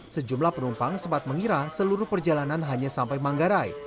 sejumlah penumpang sempat mengira seluruh perjalanan hanya sampai manggarai